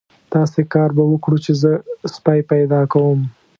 داسې کار به وکړو چې زه سپی پیدا کوم.